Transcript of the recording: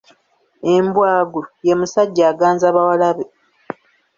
Embwagu ye musajja aganza bawalabe.